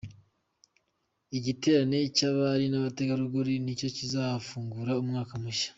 Igiterane cy’abari n’abategarugori nicyo kizafungura umwaka mushya